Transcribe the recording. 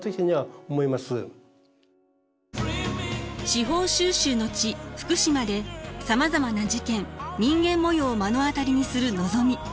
司法修習の地福島でさまざまな事件人間模様を目の当たりにするのぞみ。